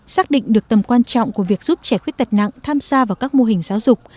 xác định được tầm quan trọng của việc giúp trẻ khuyết tật nặng tham gia vào các mô hình giáo dục